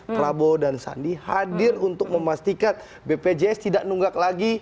prabowo dan sandi hadir untuk memastikan bpjs tidak nunggak lagi